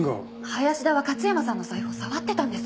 林田は勝山さんの財布を触ってたんです。